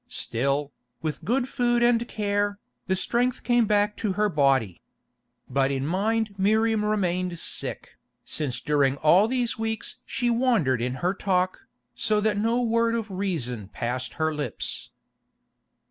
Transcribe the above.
Still, with good food and care, the strength came back to her body. But in mind Miriam remained sick, since during all these weeks she wandered in her talk, so that no word of reason passed her lips.